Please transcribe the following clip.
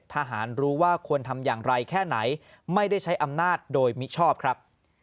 ทหารรู้ว่าควรทำอย่างไรแค่ไหนไม่ได้ใช้อำนาจโดยมิชอบครับ